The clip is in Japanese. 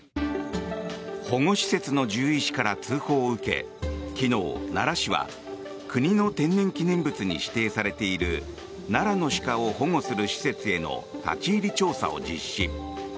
保護施設の獣医師からの通報を受け昨日、奈良市は国の天然記念物に指定されている奈良の鹿を保護する施設への立ち入り調査を実施。